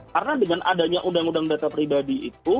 karena dengan adanya undang undang data pribadi itu